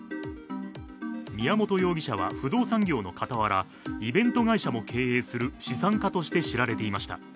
宮本容疑者は不動産業の傍らイベント会社も経営する資産家として知られていました。